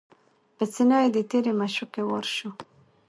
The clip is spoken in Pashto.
پر سینه یې د تیرې مشوکي وار سو